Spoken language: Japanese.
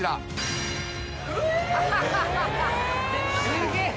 すげえ！